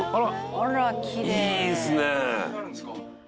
「あらきれい」「いいですね」